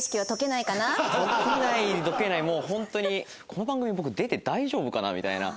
この番組僕出て大丈夫かな？みたいな。